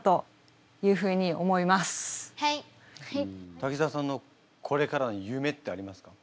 滝沢さんのこれからの夢ってありますか？